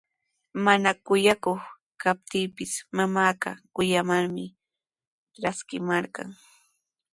Mana kuyakuq kaptiipis mamaaqa kuyamarmi traskimarqan.